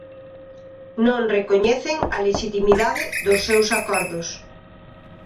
Non recoñecen a lexitimidade dos seus acordos.